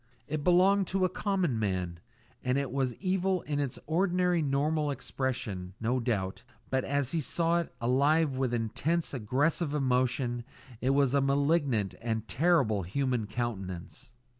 It belonged to a common man, and it was evil in its ordinary normal expression, no doubt, but as he saw it, alive with intense, aggressive emotion, it was a malignant and terrible human countenance.